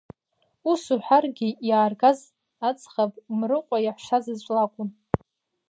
Ус уҳәаргьы, иааргаз аӡӷаб Мрыҟәа иаҳәшьазаҵә лакәын.